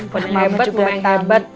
pernah hebat mau yang hebat